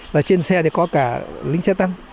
và trên xe thì có cả lính xe tăng